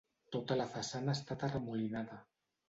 Tota la façana ha estat arremolinada.